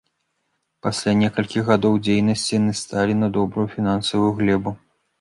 Пасля некалькіх гадоў дзейнасці яны сталі на добрую фінансавую глебу.